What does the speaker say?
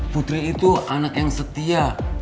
putri itu anak yang setia